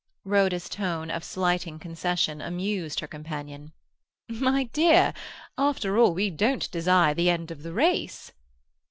Rhoda's tone of slighting concession amused her companion. "My dear, after all we don't desire the end of the race."